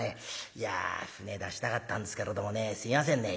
いや舟出したかったんですけれどもねすみませんね」。